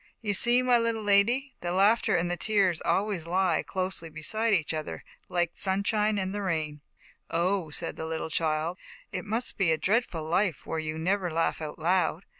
You see, my little lady, the laughter and the tears always lie closely beside each other, like the sun shine and the rain." "Oh?" said the little child, "It must be a dreadful life, where you never laugh out loud.